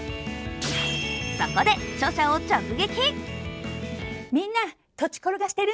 そこで、著者を直撃。